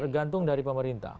tergantung dari pemerintah